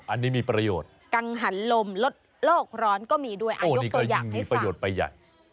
อันนี้มีประโยชน์กังหันลมลดโรคร้อนก็มีด้วยโอ้นี่ก็ยิ่งมีประโยชน์ไปใหญ่ให้ฟัง